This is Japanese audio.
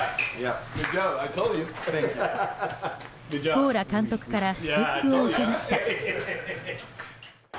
コーラ監督から祝福を受けました。